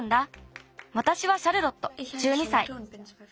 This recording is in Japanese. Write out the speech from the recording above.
わたしはシャルロット１２さい。